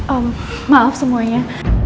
oh maaf semuanya